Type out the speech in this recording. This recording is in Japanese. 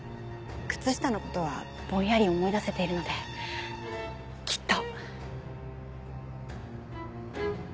靴下のことはぼんやり思い出せているのできっと！